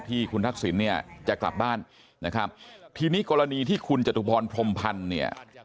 ที่คุณทักษิณเนี่ยจะกลับบ้านนะครับทีนี้กรณีที่คุณจตุพรพรมพันธ์เนี่ย